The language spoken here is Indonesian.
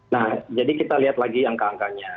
nah jadi kita lihat lagi angka angkanya